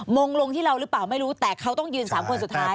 งงลงที่เราหรือเปล่าไม่รู้แต่เขาต้องยืน๓คนสุดท้าย